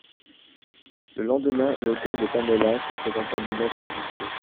Le lendemain l'auteur de Paméla se présenta lui-même au comité.